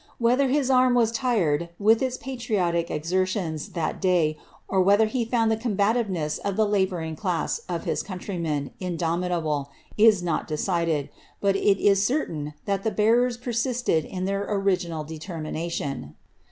Whether his arm was tired with its patriotic exertions that IT whether he found the combativeness of the labouring class of mntrymen indomitable, is not decided ; but it is certain the bearers ted in their original determination.